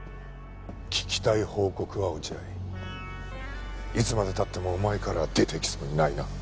聞きたい報告は落合いつまで経ってもお前からは出てきそうにないな。